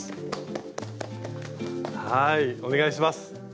はいお願いします。